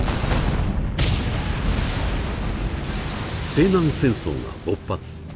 西南戦争が勃発。